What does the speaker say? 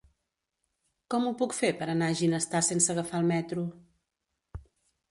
Com ho puc fer per anar a Ginestar sense agafar el metro?